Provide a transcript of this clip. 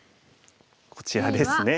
こちらですね。